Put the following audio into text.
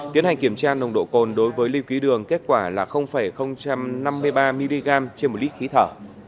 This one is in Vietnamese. tiến hành kiểm tra nồng độ cồn đối với lưu ký đường kết quả là năm mươi ba mg trên một lít khí thở